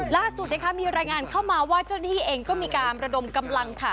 ล่าสุดนะคะมีรายงานเข้ามาว่าเจ้าหน้าที่เองก็มีการระดมกำลังค่ะ